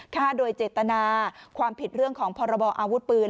ฆ่าโดยเจตนาความผิดเรื่องของพรบออาวุธปืน